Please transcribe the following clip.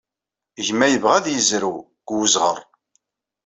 Gma yebɣa ad yezrew deg wezɣer.